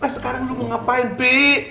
sekarang lu mau ngapain mimpi